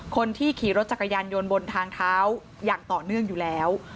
คนที่ขี่รถจักรยานยนต์บนทางเท้าอย่างต่อเนื่องอยู่แล้ว